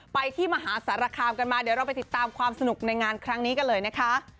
ไปที่มหาสารคามกันมาเดี๋ยวเราไปติดตามความสนุกในงานครั้งนี้กันเลยนะคะ